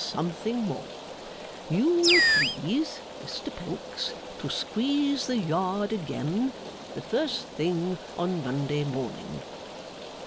Something more. You will please, Mr Pancks, to squeeze the Yard again, the first thing on Monday morning.